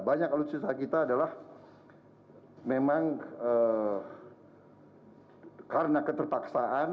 banyak alutsista kita adalah memang karena keterpaksaan